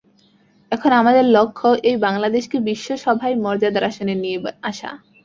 এখন আমাদের লক্ষ্য এই বাংলাদেশকে বিশ্ব সভায় মর্যাদার আসনে নিয়ে আসা।